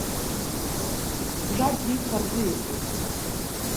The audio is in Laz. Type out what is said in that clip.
Ragi xaziri t̆u.